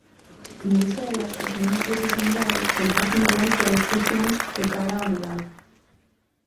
En Bruxelas, os ministros de Sanidade comparten plans de restricións de cara ao Nadal.